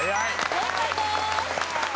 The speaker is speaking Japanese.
正解です！